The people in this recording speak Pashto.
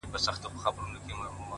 سپوږميه کړنگ وهه راخېژه وايم!